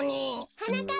はなかっ